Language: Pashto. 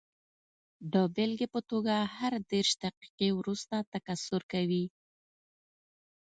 د بېلګې په توګه هر دېرش دقیقې وروسته تکثر کوي.